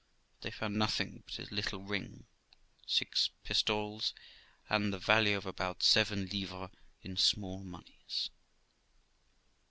But they found nothing but his little ring, six pistoles, and the value of about seven livres in small moneys.